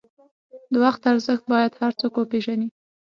د وخت ارزښت باید هر څوک وپېژني.